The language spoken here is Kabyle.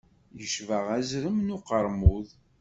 Yecba azrem n uqermud.